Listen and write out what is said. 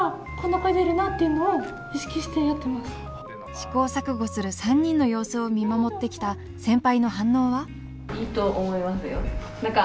試行錯誤する３人の様子を見守ってきた先輩の反応は⁉